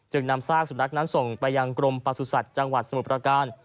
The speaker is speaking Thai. นำซากสุนัขนั้นส่งไปยังกรมประสุทธิ์จังหวัดสมุทรประการ